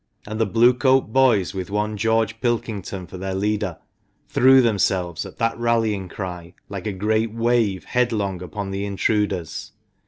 and the Blue coat boys, with one George Pilkington for their leader, threw themselves, at that rallying cry, like a great wave, headlong upon the intruders.